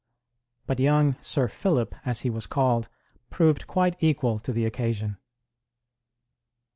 But young "Sir Philip," as he was called, proved quite equal to the occasion.